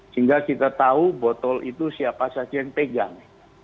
sehingga kita tahu botol itu siapa saja yang pegang